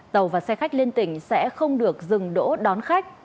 tàu và xe khách liên tỉnh sẽ không được dừng đỗ đón khách